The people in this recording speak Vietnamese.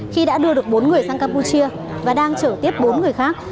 khi đã đưa được bốn người sang campuchia và đang chở tiếp bốn người khác